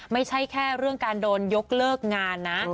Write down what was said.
ไม่ใช่แค่เรื่องการโดนยกเลิกงานนะ